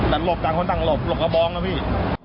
แต่หลบต่างคนต่างหลบหลบกระบองนะพี่